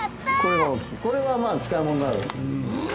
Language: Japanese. これは使い物になる。